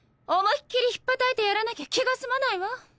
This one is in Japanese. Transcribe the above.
思いっ切りひっぱたいてやらなきゃ気が済まないわ。